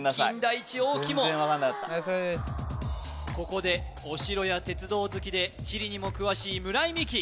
ここでお城や鉄道好きで地理にも詳しい村井美樹